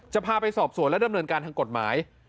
พาไปสอบสวนและดำเนินการทางกฎหมาย